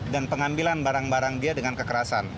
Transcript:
dan pengambilan barang barang dia dengan kekerasan